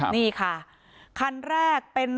นี่ค่ะนี่ค่ะคันแรกเป็น